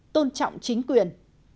bảy tôn trọng chính quyền